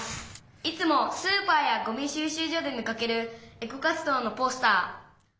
「いつもスーパーやゴミしゅう集所で見かけるエコ活動のポスター」。